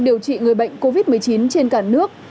điều trị người bệnh covid một mươi chín trên cả nước